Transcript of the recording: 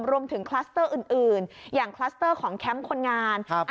รวมถึงคลัสเตอร์อื่นอย่างของคนงานครับ